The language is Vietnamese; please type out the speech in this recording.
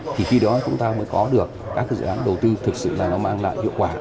thì khi đó chúng ta mới có được các dự án đầu tư thực sự là nó mang lại hiệu quả